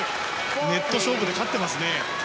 ネット勝負で勝ってますね。